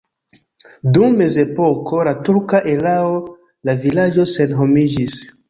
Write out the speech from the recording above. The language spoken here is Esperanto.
Dum mezepoko la turka erao la vilaĝo senhomiĝis.